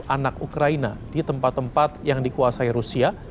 anak ukraina di tempat tempat yang dikuasai rusia